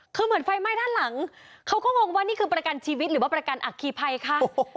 คือเหมือนไฟไหม้ด้านหลังเขาก็งงว่านี่คือประกันชีวิตหรือว่าประกันอัคคีภัยค่ะ